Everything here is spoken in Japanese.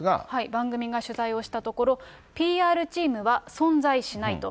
番組が取材をしたところ、ＰＲチームは存在しないと。